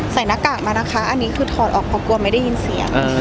หน้ากากมานะคะอันนี้คือถอดออกเพราะกลัวไม่ได้ยินเสียง